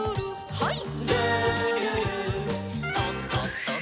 はい。